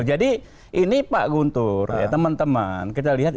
jadi ini pak guntur ya teman teman kita lihat